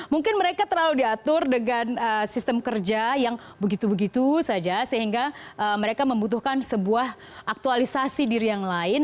mungkin mereka terlalu diatur dengan sistem kerja yang begitu begitu saja sehingga mereka membutuhkan sebuah aktualisasi diri yang lain